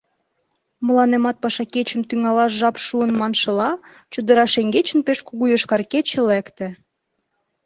Мыланемат паша кечым тӱҥалаш жап шуын маншыла, чодыра шеҥгечын пеш кугу йошкар кече лекте.